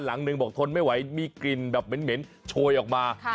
หลังหนึ่งบอกทนไม่ไหวมีกลิ่นแบบเหม็นโชยออกมา